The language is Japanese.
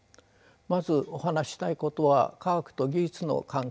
まずお話ししたいことは科学と技術の関係です。